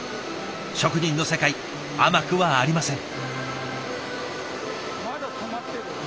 職人の世界甘くはありません。